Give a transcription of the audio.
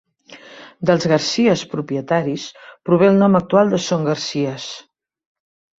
Dels Garcies propietaris prové el nom actual de Son Garcies.